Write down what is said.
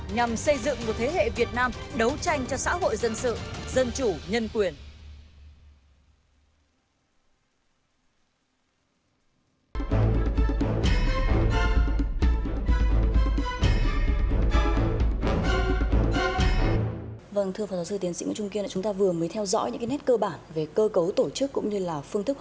nhằm xây dựng một thế hệ việt nam đấu tranh cho xã hội dân sự dân chủ nhân quyền